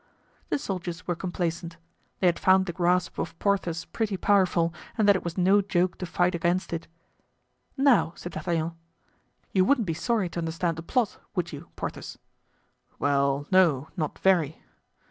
The soldiers were complaisant; they had found the grasp of Porthos pretty powerful and that it was no joke to fight against it. "Now," said D'Artagnan, "you wouldn't be sorry to understand the plot, would you, Porthos?" "Well, no, not very."